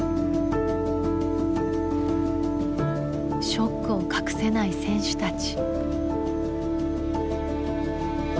ショックを隠せない選手たち。